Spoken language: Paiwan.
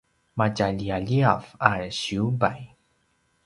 matjaliyaliyav a siyubay